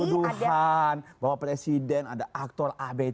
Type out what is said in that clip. tuduhan bahwa presiden ada aktor abc